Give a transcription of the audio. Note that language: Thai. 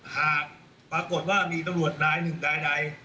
หากปรากฏว่ามีตำรวจนายหนึ่งรายใด